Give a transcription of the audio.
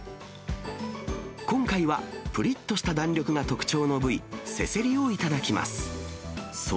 今回はぷりっとした弾力が特徴の部位、セセリを頂きます。